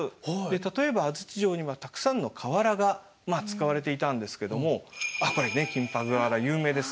例えば安土城にはたくさんの瓦が使われていたんですけどもあっこれね金箔瓦有名です。